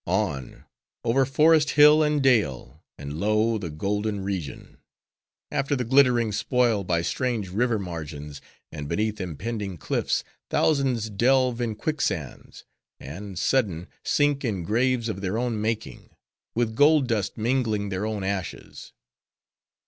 On: over forest—hill, and dale—and lo! the golden region! After the glittering spoil, by strange river margins, and beneath impending cliffs, thousands delve in quicksands; and, sudden, sink in graves of their own making: with gold dust mingling their own ashes.